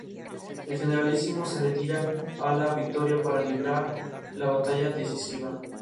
La eparquía comprende a todos los fieles católicos sirios residentes en Estados Unidos.